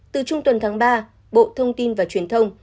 từ trung tuần tháng ba bộ thông tin và truyền thông